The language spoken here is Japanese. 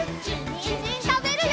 にんじんたべるよ！